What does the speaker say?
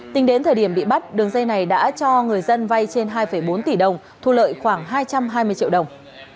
tính đến thời điểm bị bắt đường dây này đã cho người dân vay trên hai bốn tỷ đồng thu lợi khoảng hai trăm hai mươi triệu đồng